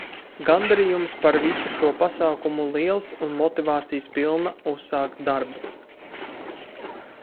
Gandarījums par visu šo pasākumu liels un motivācijas pilna uzsākt darbu.